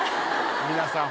皆さん